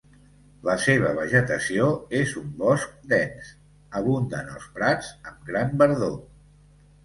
La seva vegetació és un bosc dens, abunden els prats amb gran verdor.